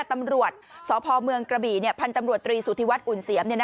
ตำรวจสพเมืองกระบี่พันธุ์ตำรวจตรีสุธิวัฒนอุ่นเสียม